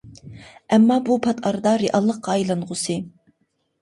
ئەمما بۇ پات ئارىدا رېئاللىققا ئايلانغۇسى.